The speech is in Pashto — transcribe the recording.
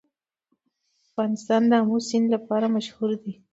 افغانستان د آمو سیند لپاره مشهور دی.